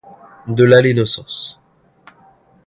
De là l’innocence.